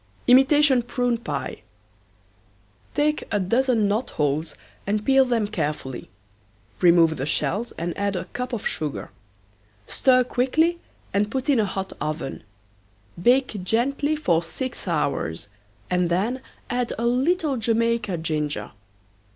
IMITATION PRUNE PIE. Take a dozen knot holes and peel them carefully. Remove the shells and add a cup of sugar. Stir quickly and put in a hot oven. Bake gently for six hours and then add a little Jamaica ginger.